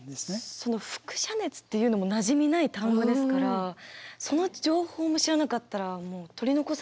その輻射熱っていうのもなじみない単語ですからその情報も知らなかったらもう取り残されちゃう。